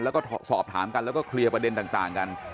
แล้วก็สอบถามกันแล้วก็เคลียร์ประเด็นต่างกัน